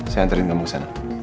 saya anterin kamu sana